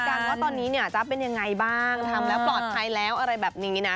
กันว่าตอนนี้เนี่ยจ๊ะเป็นยังไงบ้างทำแล้วปลอดภัยแล้วอะไรแบบนี้นะ